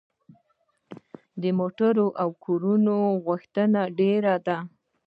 د موټرو او کورونو غوښتنه ډیره ده.